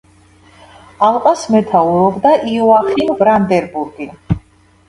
ალყას მეთაურობდა იოახიმ ბრანდენბურგი.